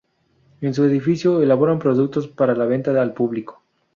En su edificio elaboran productos para la venta al público.